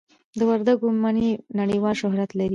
د وردګو مڼې نړیوال شهرت لري.